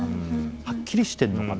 はっきりしてるのかな？